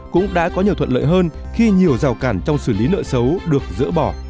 cũng đã có nhiều thuận lợi hơn khi nhiều rào cản trong xử lý nợ xấu được dỡ bỏ